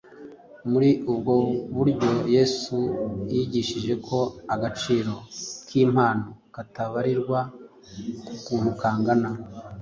Muri ubwo buryo Yesu yigishije ko agaciro k’impano katabarirwa ku kuntu ingana